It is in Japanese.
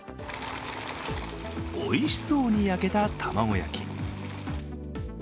おいしそうに焼けた卵焼き。